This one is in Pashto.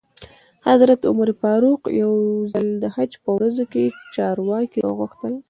حضرت عمر فاروق یو ځل د حج په ورځو کې چارواکي را وغوښتل.